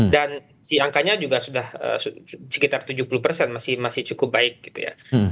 dan si angkanya juga sudah sekitar tujuh puluh masih cukup baik gitu ya